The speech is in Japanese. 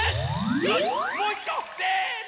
よしもういっちょせの！